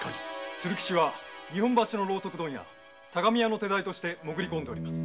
鶴吉は日本橋・相模屋の手代として潜り込んでおります。